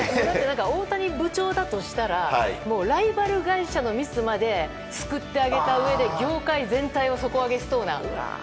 大谷部長だとしたらライバル会社のミスまで救ってあげたうえで、業界全体を底上げしそうな。